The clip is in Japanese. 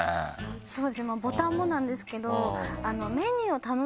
そうですねボタンもなんですけど。